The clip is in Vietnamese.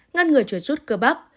ngăn ngửa chuột rút cơ bắp